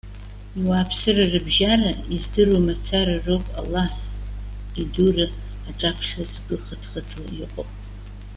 Иуааԥсыра рыбжьара, издыруа мацара роуп Аллаҳ идура аҿаԥхьа згәы хыҭ-хыҭуа иҟоу.